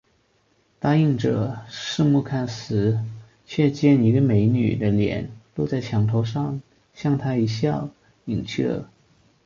答应着，四面看时，却见一个美女的脸露在墙头上，向他一笑，隐去了